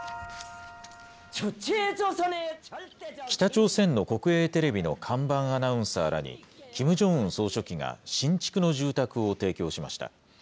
北朝鮮の国営テレビの看板アナウンサーらに、キム・ジョンウン総書記が新築の住宅を提供しました。